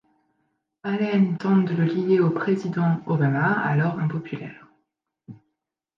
Allen tente de le lier au président Obama, alors impopulaire.